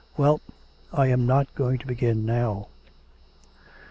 'Well, I am not going to begin now.'